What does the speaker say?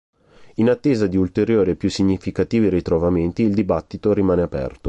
In attesa di ulteriori e più significativi ritrovamenti il dibattito rimane aperto.